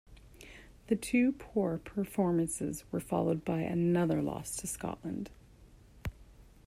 The two poor performances were followed by another loss to Scotland.